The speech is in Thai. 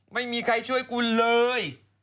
ไม่มีใครช่วยคุณเลย